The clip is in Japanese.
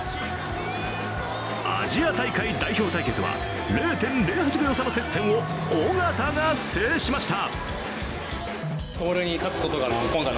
アジア大会代表対決は０．０８秒差の接戦を小方が制しました。